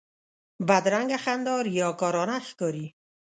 بدرنګه خندا ریاکارانه ښکاري